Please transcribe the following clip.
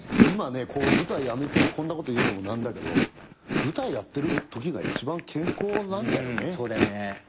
今舞台やめてこんなこと言うのもなんだけど舞台やってるときが一番健康なんだよね。